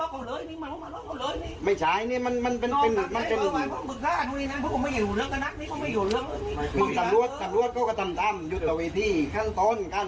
พวกมันไม่อยู่เรื่องคณะพวกมันไม่อยู่เรื่องตำรวจตำรวจก็กระจำยุทธวิธีขั้นต้นขั้นต้น